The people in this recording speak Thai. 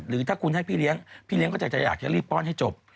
หรือถ้าคุณให้พี่เลี้ยงพี่เลี้ยก็จะอยากจะรีบป้อนให้จบ